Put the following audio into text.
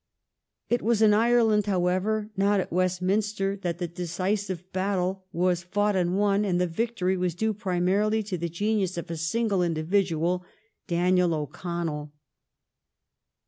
It was in Ireland, however, not at Westminster, that the decis ive battle was fought and won, and the victory was due primarily to the genius of a single individual, Daniel O'Connell.